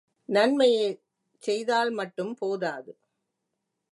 நன்மையைச் செய்தால் மட்டும் போதாது.